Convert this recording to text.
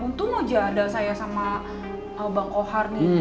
untung aja ada saya sama bang ohar nih